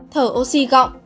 thở oxy gọng